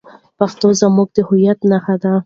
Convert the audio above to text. پښتو زموږ د هویت نښه ده.